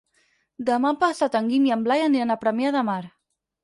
Demà passat en Guim i en Blai aniran a Premià de Mar.